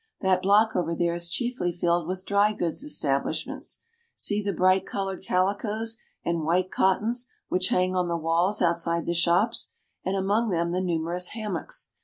That block over there is chiefly filled with dry goods establishments. See the bright colored calicoes and white cottons which hang on the walls outside the shops, and among them the numerous hammocks.